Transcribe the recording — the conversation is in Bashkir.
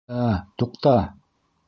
Ә, туҡта!